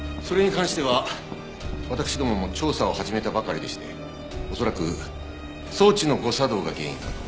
それに関しては私どもも調査を始めたばかりでして恐らく装置の誤作動が原因かと。